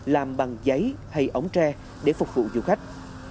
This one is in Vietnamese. làm bằng giấy hay ống tre để phục vụ du khách